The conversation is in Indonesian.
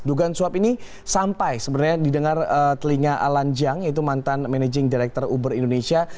dugaan suap ini sampai sebenarnya didengar telinga alan jiang yaitu mantan managing director uber indonesia